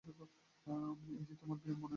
ইযি, তোমার ব্যায়াম মনে আছে তো?